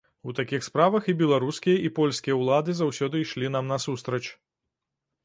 У такіх справах і беларускія, і польскія ўлады заўсёды ішлі нам насустрач.